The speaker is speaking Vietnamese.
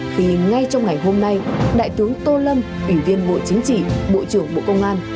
thì ngay trong ngày hôm nay đại tướng tô lâm ủy viên bộ chính trị bộ trưởng bộ công an